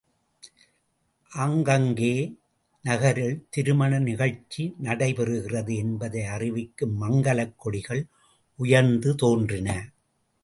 அங்கங்கே நகரில் திருமண நிகழ்ச்சி நடைபெறுகிறது என்பதை அறிவிக்கும் மங்கலக் கொடிகள் உயர்ந்து தோன்றின.